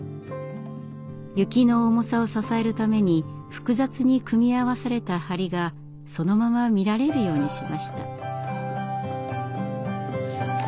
雪の重さを支えるために複雑に組み合わされた梁がそのまま見られるようにしました。